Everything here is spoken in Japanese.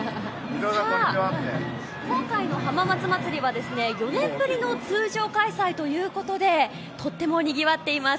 今回の浜松まつりは４年ぶりの通常開催ということでとってもにぎわっています